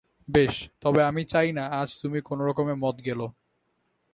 বেশ, তবে আমি চাই না আজ তুমি কোনোরকম মদ গেলো।